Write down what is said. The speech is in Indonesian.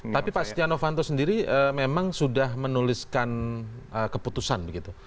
tapi pak setia novanto sendiri memang sudah menuliskan keputusan begitu